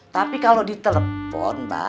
tapi kalau ditelepon